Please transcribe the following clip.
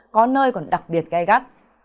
có nơi còn đặc biệt gai gắt